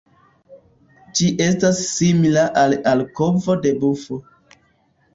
Ĝi estas simila al la alvoko de bufo.